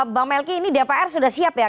bang melki ini dpr sudah siap ya